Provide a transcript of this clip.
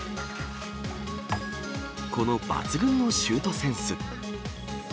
この抜群のシュートセンス。